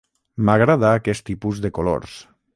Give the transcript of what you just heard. M'agrada aquest tipus de colors.